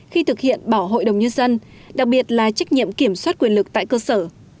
khi thực hiện bảo hội đồng nhân dân đặc biệt là trách nhiệm kiểm soát quyền lực tại cơ sở